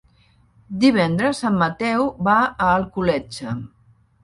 Divendres en Mateu va a Alcoletge.